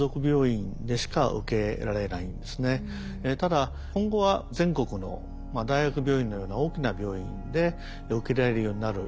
ただ今後は全国の大学病院のような大きな病院で受けられるようになる。